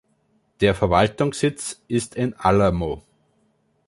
Der Verwaltungssitz ist in Alamo.